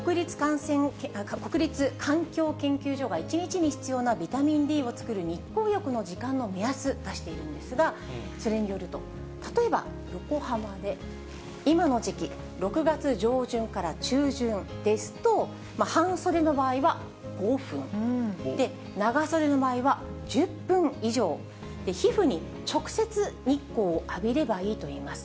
国立環境研究所が１日に必要なビタミンＤを作る日光浴の時間の目安、出しているんですが、それによると、例えば横浜で今の時期、６月上旬から中旬ですと、半袖の場合は５分、長袖の場合は１０分以上、皮膚に直接日光を浴びればいいといいます。